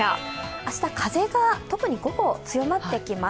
明日、風が特に午後、強まってきます。